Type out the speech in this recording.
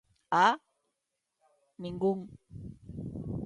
¡Ah!, ningún.